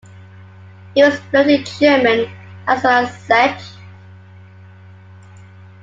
He was fluent in German as well as Czech.